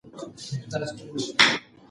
میلاټونین د بدن طبیعي دورې سره مرسته کوي.